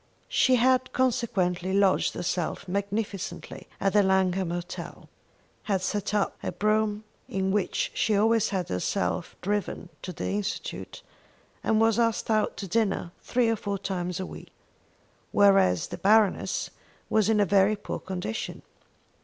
She had consequently lodged herself magnificently at the Langham Hotel, had set up her brougham, in which she always had herself driven to the Institute, and was asked out to dinner three or four times a week; whereas the Baroness was in a very poor condition.